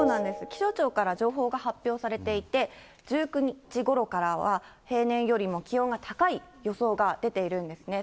気象庁から情報が発表されていて、１９日ごろからは、平年よりも気温が高い予想が出ているんですね。